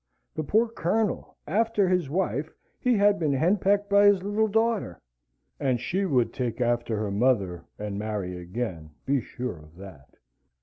The poor Colonel! after his wife, he had been henpecked by his little daughter. And she would take after her mother, and marry again, be sure of that.